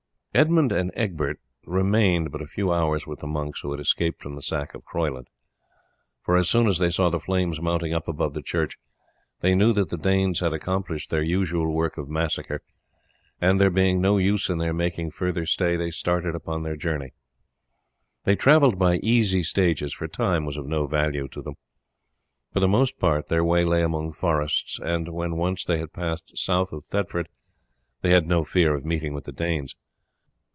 Edmund and Egbert remained but a few hours with the monks who had escaped from the sack of Croyland; for, as soon as they saw the flames mounting up above the church, they knew that the Danes had accomplished their usual work of massacre, and there being no use in their making further stay, they started upon their journey. They travelled by easy stages, for time was of no value to them. For the most part their way lay among forests, and when once they had passed south of Thetford they had no fear of meeting with the Danes.